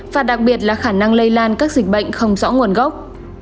và đặc biệt là khả năng lây lan các dịch bệnh không rõ nguồn gốc